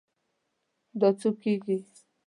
دا څو کیږي؟